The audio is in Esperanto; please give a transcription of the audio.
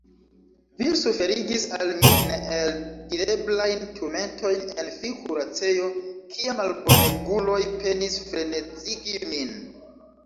Vi suferigis al mi neeldireblajn turmentojn en fi-kuracejo, kie malboneguloj penis frenezigi min.